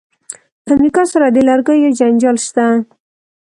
د امریکا سره د لرګیو جنجال شته.